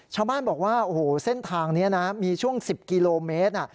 ชาวบ้านบอกว่าโอ้โหเส้นทางนี้นะมีช่วง๑๐กิโลเมตร